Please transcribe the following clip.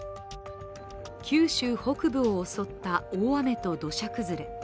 九州北部を襲った大雨と土砂崩れ。